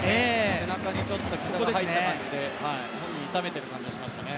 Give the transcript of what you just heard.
背中に膝が入った感じで痛めている感じがしましたよね。